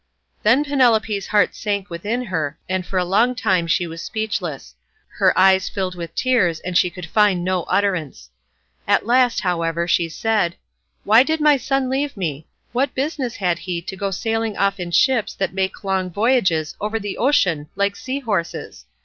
Then Penelope's heart sank within her, and for a long time she was speechless; her eyes filled with tears, and she could find no utterance. At last, however, she said, "Why did my son leave me? What business had he to go sailing off in ships that make long voyages over the ocean like sea horses?